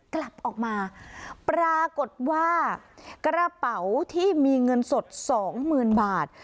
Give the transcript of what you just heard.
กลับออกมาปรากฏว่ากระเป๋าที่มีเงินสดสองหมื่นบาท